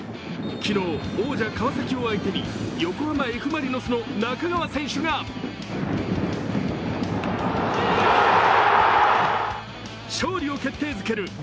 昨日、王者・川崎を相手に横浜Ｆ・マリノスの仲川選手が勝利を決定づける